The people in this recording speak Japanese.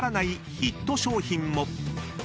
ヒット商品も］